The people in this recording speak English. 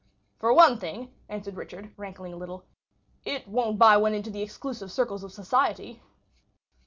"For one thing," answered Richard, rankling a little, "it won't buy one into the exclusive circles of society."